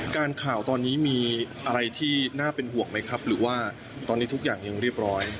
ข่าวตอนนี้มีอะไรที่น่าเป็นห่วงไหมครับหรือว่าตอนนี้ทุกอย่างยังเรียบร้อย